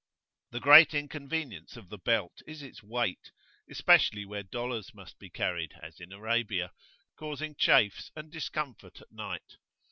The great inconvenience of the belt is its weight, especially where dollars must be carried, as in Arabia, causing chafes and discomfort at night.